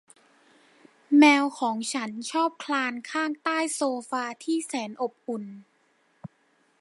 แมวของฉันชอบคลานข้างใต้โซฟาที่แสนอบอุ่น